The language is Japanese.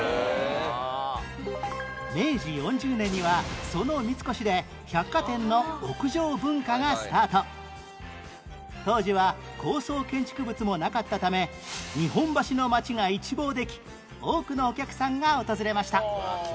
明治４０年にはその三越で当時は高層建築物もなかったため日本橋の街が一望でき多くのお客さんが訪れました